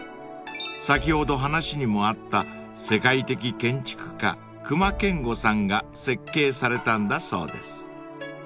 ［先ほど話にもあった世界的建築家隈研吾さんが設計されたんだそうです］